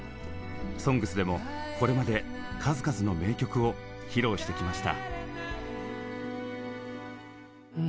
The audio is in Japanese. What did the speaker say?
「ＳＯＮＧＳ」でもこれまで数々の名曲を披露してきました。